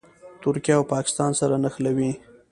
ترکیه او پاکستان سره نښلوي.